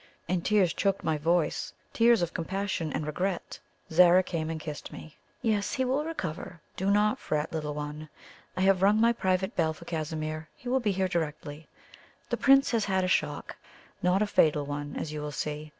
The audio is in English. And tears choked my voice tears of compassion and regret. Zara came and kissed me. "Yes, he will recover do not fret, little one. I have rung my private bell for Casimir; he will be here directly. The Prince has had a shock not a fatal one, as you will see.